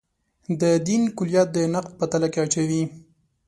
د دین کُلیت د نقد په تله کې اچوي.